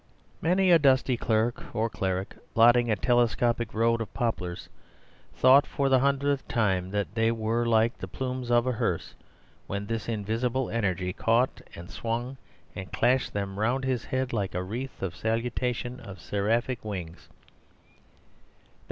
Many a dusty clerk or cleric, plodding a telescopic road of poplars, thought for the hundredth time that they were like the plumes of a hearse; when this invisible energy caught and swung and clashed them round his head like a wreath or salutation of seraphic wings.